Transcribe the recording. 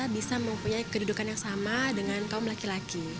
di seluruh indonesia